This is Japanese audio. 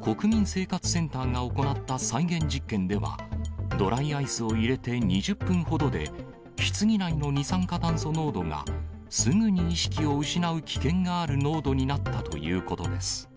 国民生活センターが行った再現実験では、ドライアイスを入れて２０分ほどで、ひつぎ内の二酸化炭素濃度が、すぐに意識を失う危険がある濃度になったということです。